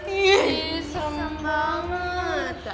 iya serem banget